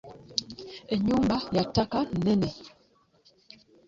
.Enyumba ya taata Nene